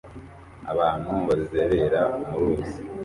Abantu bazerera mu ruzi